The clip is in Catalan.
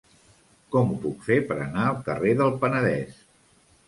Com ho puc fer per anar al carrer del Penedès?